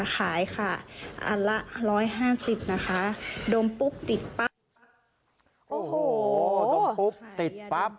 ขายค่ะอันละร้อยห้าสิบนะคะดมปุ๊บติดปั๊บโอ้โหดมปุ๊บติดปั๊บ